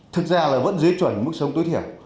thực ra là vẫn dưới chuẩn mức sống tối thiểu